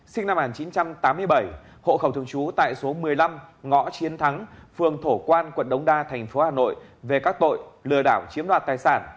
sinh năm một nghìn chín trăm tám mươi bảy hộ khẩu thường trú tại số một mươi năm ngõ chiến thắng phường thổ quan quận đống đa thành phố hà nội về các tội lừa đảo chiếm đoạt tài sản